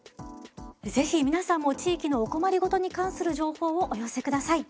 是非皆さんも地域のお困り事に関する情報をお寄せください。